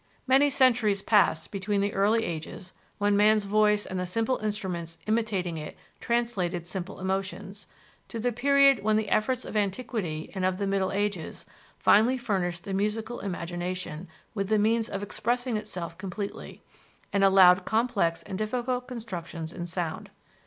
Many centuries passed between the early ages when man's voice and the simple instruments imitating it translated simple emotions, to the period when the efforts of antiquity and of the middle ages finally furnished the musical imagination with the means of expressing itself completely, and allowed complex and difficult constructions in sound.